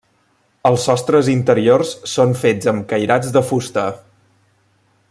Els sostres interiors són fets amb cairats de fusta.